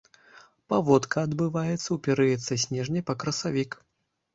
Паводка адбываецца ў перыяд са снежня па красавік.